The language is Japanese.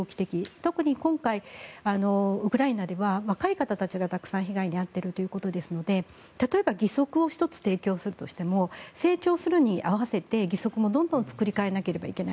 特に今回、ウクライナでは若い方たちがたくさん被害に遭っているということですので例えば義足を１つ提供するとしても成長するのに合わせて義足もどんどん作り替えなければいけない。